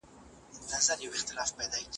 په پښتو ادب کې خوشال خان د ځان خبرې شروع کړې.